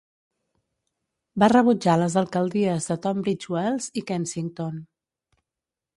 Va rebutjar les alcaldies de Tunbridge Wells i Kensington.